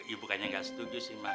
ya bukannya gak setuju sih ma